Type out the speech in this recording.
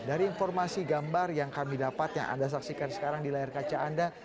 dari informasi gambar yang kami dapat yang anda saksikan sekarang di layar kaca anda